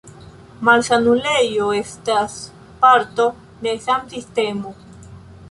Malsanulejo estas parto de san-sistemo.